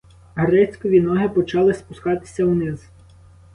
Грицькові ноги почали спускатися униз.